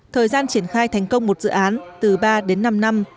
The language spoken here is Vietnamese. thời gian triển khai thành công một dự án từ ba đến năm năm